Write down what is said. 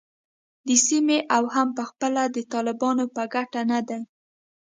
د سیمې او هم پخپله د طالبانو په ګټه نه دی